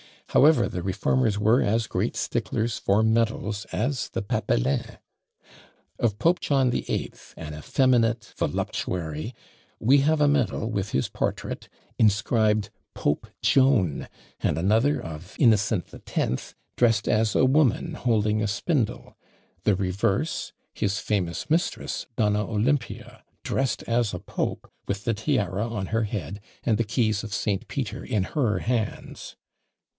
However, the reformers were as great sticklers for medals as the "papelins." Of Pope John VIII., an effeminate voluptuary, we have a medal with his portrait, inscribed Pope Joan! and another of Innocent X., dressed as a woman holding a spindle; the reverse, his famous mistress, Donna Olympia, dressed as a Pope, with the tiara on her head, and the keys of St. Peter in her hands!